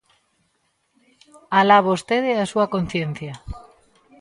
Alá vostede e a súa conciencia.